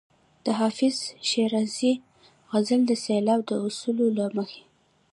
د حافظ شیرازي غزل د سېلاب د اصولو له مخې.